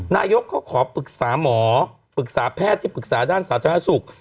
นายกเขาขอปรึกษาหมอปรึกษาแพทย์ที่ปรึกษาด้านสาธารณสุข